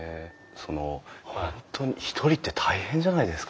その本当に１人って大変じゃないですか？